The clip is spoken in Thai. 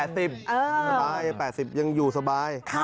สบาย๘๐ยังอยู่สบาย